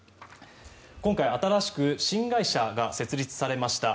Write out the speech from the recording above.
今回、新しく新会社が設立されました。